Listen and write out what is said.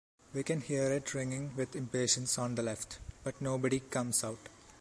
We can hear it ringing with impatience on the left, but nobody comes out.